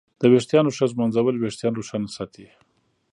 د ویښتانو ښه ږمنځول وېښتان روښانه ساتي.